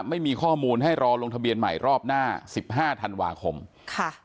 ไม่มีข้อมูลให้รอลงทะเบียนใหม่รอบหน้าสิบห้าธันวาคมค่ะ